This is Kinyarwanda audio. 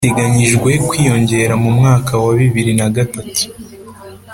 biteganyijwe kwiyongera mu mwaka wa bibiri na agatatu